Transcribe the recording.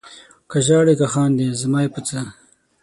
که ژاړې که خاندې زما یې په څه؟